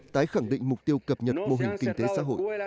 tái khẳng định mục tiêu cập nhật mô hình kinh tế xã hội